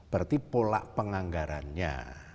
berarti pola penganggarannya